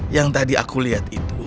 yang tadi aku lihat itu